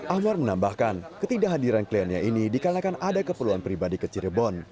ahmar menambahkan ketidakhadiran kliennya ini dikarenakan ada keperluan pribadi ke cirebon